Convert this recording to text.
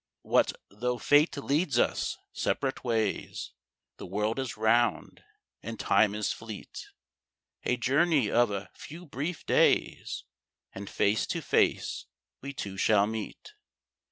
What though fate leads us separate ways, The world is round, and time is fleet. A journey of a few brief days, And face to face we two shall meet.